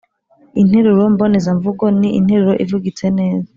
Interuro mbonezamvugo ni interuro ivugitse neza